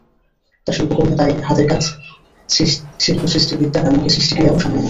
তাঁর শিল্পকর্মে তাই হাতের কাজ, শিল্প সৃষ্টির বিদ্যা, এমনকি সৃষ্টিক্রিয়াও সামান্য।